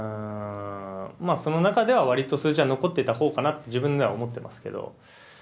その中では割と数字は残っていた方かなって自分では思ってますけど。